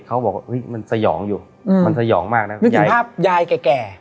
เขาบอกว่าอุ๊ยมันสยองอยู่อืมมันสยองมากนะคุณยายนึกถึงภาพยายแก่แก่